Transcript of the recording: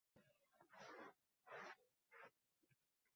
Dag‘al qo‘l nozikkina quloqni ayamay burardi.